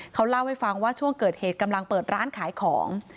เขาเล่าให้ฟังว่าช่วงเกิดเหตุกำลังเปิดร้านขายของ